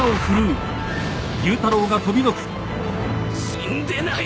死んでない！